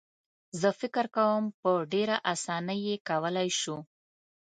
زه فکر کوم په ډېره اسانۍ یې کولای شو.